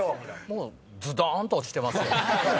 もうズドーンと落ちてますよ。